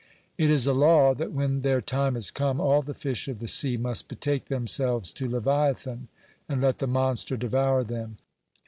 It is a law that when their time has come, all the fish of the sea must betake themselves to leviathan, and let the monster devour them.